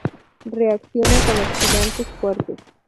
Reacciona con oxidantes fuertes.